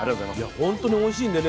本当においしいんでね